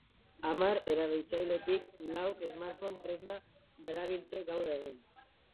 Hamar erabiltzailetik lauk smartphone tresna darabilte gaur egun.